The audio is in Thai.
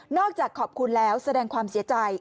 อกจากขอบคุณแล้วแสดงความเสียใจ